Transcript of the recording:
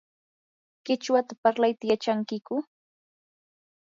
¿qichwata parlayta yachankiyku?